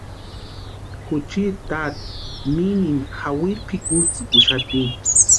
Juchiti tati mimini jawiri pʼikuntsikuxati.